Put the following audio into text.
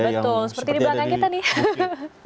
betul seperti di belakang kita nih